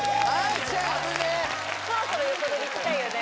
・そろそろ横取り行きたいよね